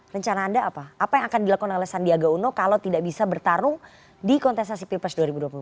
rencana anda apa apa yang akan dilakukan oleh sandiaga uno kalau tidak bisa bertarung di kontestasi pilpres dua ribu dua puluh empat